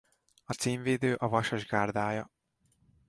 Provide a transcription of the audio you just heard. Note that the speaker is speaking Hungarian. A címvédő a Vasas gárdája.